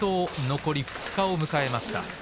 残り２日を迎えました。